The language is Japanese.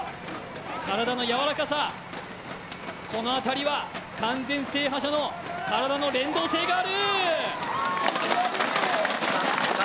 体の軟らかさ、この辺りは完全制覇者の体の連動性がある。